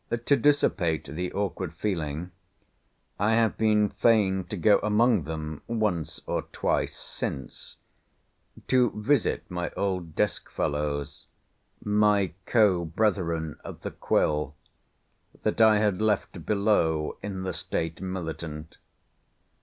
To dissipate this awkward feeling, I have been fain to go among them once or twice since; to visit my old desk fellows—my co brethren of the quill—that I had left below in the state militant.